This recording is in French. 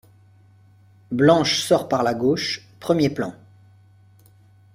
Blanche sort par la gauche, premier plan.